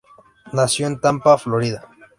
Nació en Tampa, Florida.